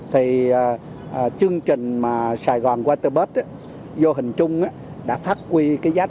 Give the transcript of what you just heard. thì chương trình mà sài gòn waterbuds vô hình chung đã phát huy cái giá trị